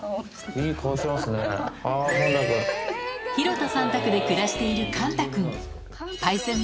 廣田さん宅で暮らしているカンタ君